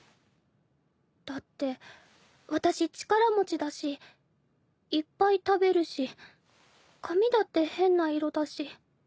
だって私力持ちだしいっぱい食べるし髪だって変な色だし。